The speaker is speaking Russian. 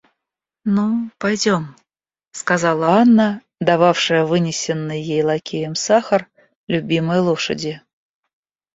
Ну, пойдем, — сказала Анна, дававшая вынесенный ей лакеем сахар любимой лошади.